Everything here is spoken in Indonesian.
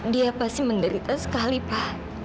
dia pasti menderita sekali pak